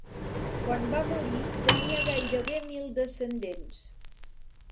Quan va morir tenia gairebé mil descendents.